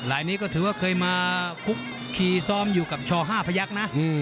ลายนี้ก็ถือว่าเคยมาคุกคีซ้อมอยู่กับช่อ๕พยักษ์นะ